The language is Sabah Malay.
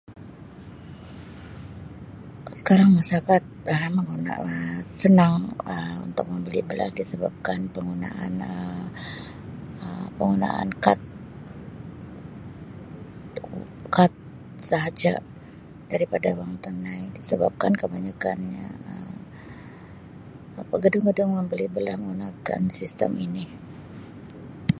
Um Sekarang sangat Um senang untuk membeli belah disebabkan penggunaan Um penggunaan kad, kad sahaja daripada wang tunai sebabkan kebaikannya Um gedung-gedung membeli belah menggunakan sistem ini.